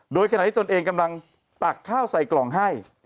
โดยขณะที่ตนเองกำลังตักข้าวใส่กล่องให้